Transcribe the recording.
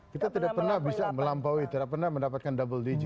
kita tidak pernah bisa melampaui tidak pernah mendapatkan double digit